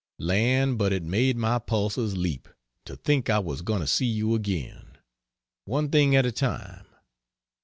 Land, but it made my pulses leap, to think I was going to see you again!... One thing at a time.